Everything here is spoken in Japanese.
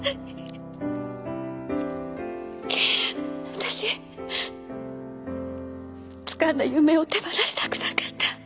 私つかんだ夢を手放したくなかった。